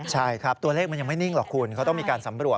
ใช่ครับตัวเลขมันยังไม่นิ่งหรอกคุณเขาต้องมีการสำรวจ